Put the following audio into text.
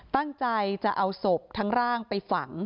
ตั้งใจจะเอาศพทั้งร่างไปฝัง